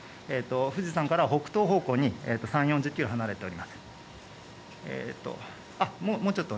富士山から北東方向に３０、４０キロ離れています。